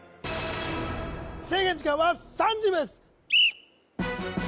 制限時間は３０秒です